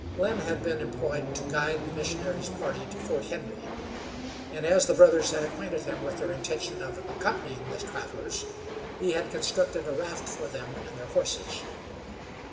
Lynn had been employed to guide the missionary's party to Fort Henry, and, as the brothers had acquainted him with their intention of accompanying the travelers, he had constructed a raft for them and their horses.